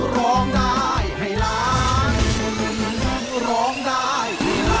ร้องได้ให้ร้าน